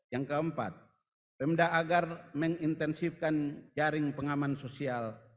yang keempat pemda agar mengintensifkan jaring pengaman sosial